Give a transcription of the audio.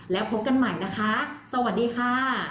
แล้วพบกันใหม่นะคะสวัสดีค่ะ